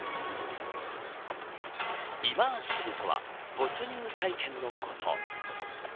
イマーシブとは没入体験のこと。